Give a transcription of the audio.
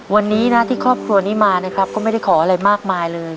วันนี้นะที่ครอบครัวนี้มานะครับก็ไม่ได้ขออะไรมากมายเลย